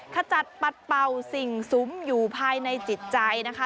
ขจัดปัดเป่าสิ่งซุ้มอยู่ภายในจิตใจนะคะ